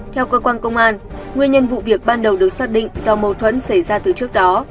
theo cơ quan công an nguyên nhân vụ việc ban đầu được xác định do mâu thuẫn xảy ra từ trước đó